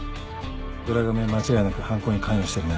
浦上は間違いなく犯行に関与してるね。